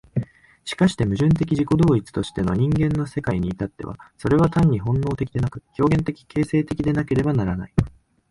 しかして矛盾的自己同一としての人間の世界に至っては、それは単に本能的でなく、表現的形成的でなければならない。